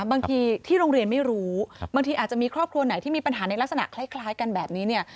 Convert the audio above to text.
บางทีที่โรงเรียนไม่รู้บางทีอาจจะมีครอบครัวไหนที่มีปัญหาในลักษณะคล้ายกันแบบนี้เนี่ย